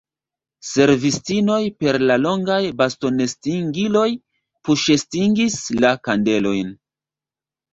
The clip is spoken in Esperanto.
Servistinoj per la longaj bastonestingiloj puŝestingis la kandelojn.